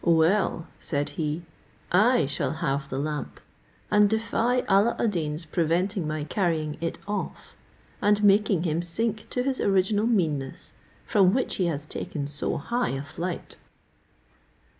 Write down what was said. "Well," said he, "I shall have the lamp, and defy Alla ad Deen's preventing my carrying it off, and making him sink to his original meanness, from which he has taken so high a flight."